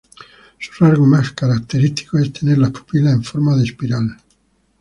Su rasgo más característico es tener las pupilas en forma de espiral.